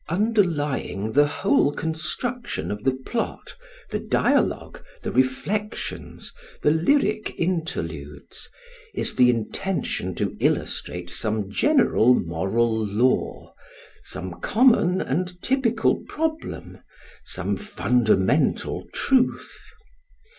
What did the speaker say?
Underlying the whole construction of the plot, the dialogue, the reflections, the lyric interludes, is the intention to illustrate some general moral law, some common and typical problem, some fundamental truth.